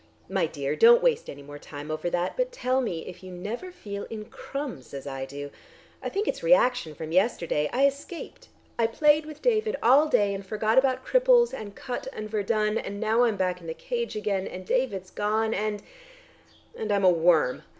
My dear, don't waste any more time over that, but tell me if you never feel in crumbs as I do. I think it's reaction from yesterday. I escaped. I played with David all day, and forgot about cripples and Kut and Verdun, and now I'm back in the cage again, and David's gone, and and I'm a worm.